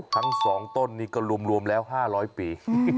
ทั้ง๒ต้นนี้ก็รวมแล้ว๕๐๐ปี